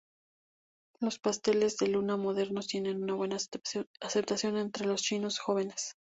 Los pasteles de luna modernos tienen buena aceptación entre los chinos jóvenes.